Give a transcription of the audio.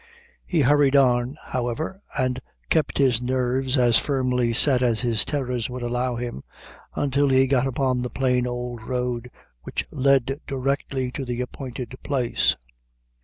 He hurried on, however, and kept his nerves as firmly set as his terrors would allow him, until he got upon the plain old road which led directly to the appointed place.